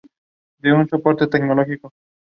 The family arms of Culpepper is on the western panel.